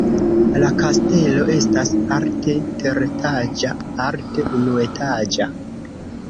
La kastelo estas parte teretaĝa, parte unuetaĝa.